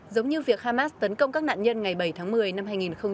giống như việc hamas tấn công các nạn nhân ngày bảy tháng một mươi năm hai nghìn một mươi chín